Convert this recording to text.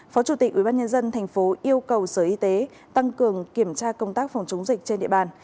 phó chủ tịch ubnd tp yêu cầu sở y tế tăng cường kiểm tra công tác phòng chống dịch trên địa bàn